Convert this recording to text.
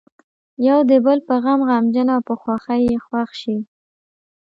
یو د بل په غم غمجن او په خوښۍ یې خوښ شي.